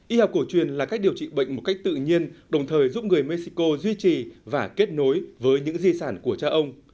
y học cổ truyền là cách điều trị bệnh một cách tự nhiên đồng thời giúp người mexico duy trì và kết nối với những di sản của cha ông